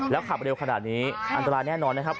ขับเร็วขนาดนี้อันตรายแน่นอนนะครับ